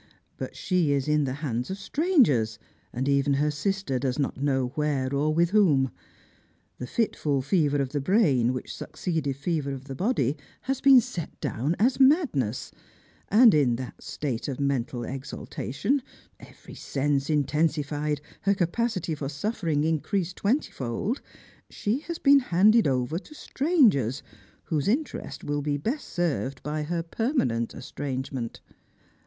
But she is in the hands of strangers, and even her sister does not know where or with whom. The fitful fever of the brain whiclr succeeded fever of the body has been set down as madness, and in that state of mental exaltation — every sense intensified, her capacity for suffering increased twentyfold — she has been handed over to strangers, whose interests will be best served by her permanent estrangement.